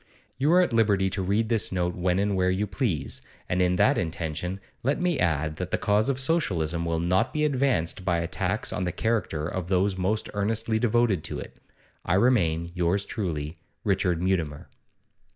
You are at liberty to read this note when and where you please, and in that intention let me add that the cause of Socialism will not be advanced by attacks on the character of those most earnestly devoted to it. I remain, yours truly, 'RICHARD MUTIMER.